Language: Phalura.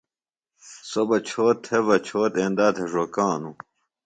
سوۡ بہ چھوت تھےۡ بہ چھوت اندا تھےۡ ڙوکانوۡ